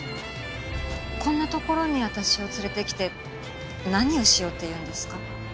こんな所に私を連れてきて何をしようっていうんですか？